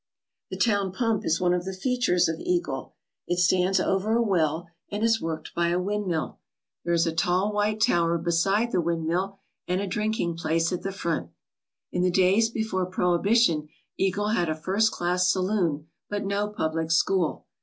The town pump is one of the features of Eagle. It stands over a well and is worked by a windmill. There is a tall white tower beside the windmill and a drinking place at the front. In the days before prohibition Eagle had a first class saloon but no public school.